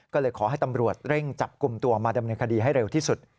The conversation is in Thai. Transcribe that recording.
ก็เลยขอให้ตำรวจเร่งจับกลุ่มตัวมาดำเนินคดีให้เร็วที่สุด